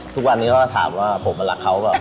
ทุกวันนี้ถามว่าพ่อมันรักเขา